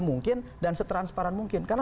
mungkin dan setransparan mungkin karena